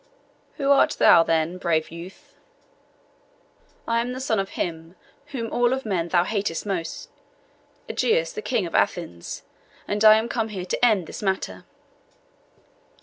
'Who art thou, then, brave youth?' 'I am the son of him whom of all men thou hatest most, Ægeus the king of Athens, and I am come here to end this matter.